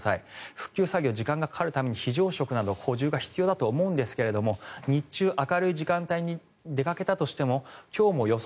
復旧作業、時間がかかるために非常食など補充が必要だと思うんですが日中、明るい時間帯に出かけたとしても今日も予想